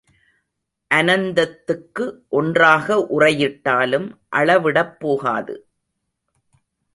அனந்தத்துக்கு ஒன்றாக உறையிட்டாலும் அளவிடப் போகாது.